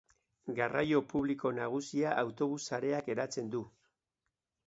Garraio publiko nagusia autobus sareak eratzen du.